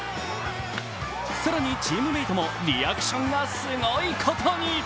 更にチームメートもリアクションがすごいことに。